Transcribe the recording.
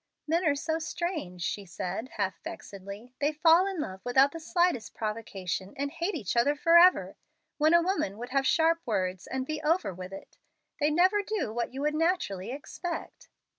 "Men are so strange!" she said, half vexedly. "They fall in love without the slightest provocation, and hate each other forever, when a woman would have sharp words and be over with it. They never do what you would naturally expect."